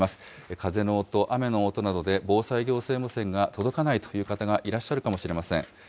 風の音、雨の音などで防災行政無線が届かないという方がいらっしゃるかもしれません。